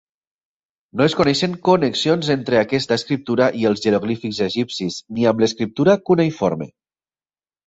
No es coneixen connexions entre aquesta escriptura i els jeroglífics egipcis, ni amb l'escriptura cuneïforme.